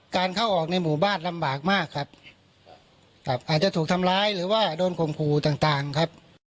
การเข้าออกในหมู่บ้านลำบากมากครับอาจจะถูกทำร้ายหรือว่าโดนข่มขู่ต่างต่างครับ